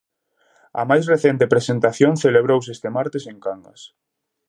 A máis recente presentación celebrouse este martes en Cangas.